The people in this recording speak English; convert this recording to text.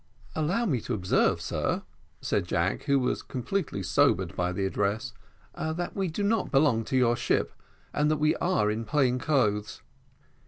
"Allow me to observe, sir," said Jack, who was completely sobered by the address, "that we do not belong to your ship, and that we are in plain clothes."